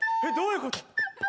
どういうこと？